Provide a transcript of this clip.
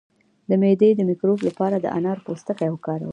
د معدې د مکروب لپاره د انار پوستکی وکاروئ